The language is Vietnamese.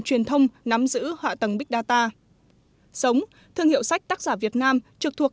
truyền thông nắm giữ hạ tầng big data sống thương hiệu sách tác giả việt nam trực thuộc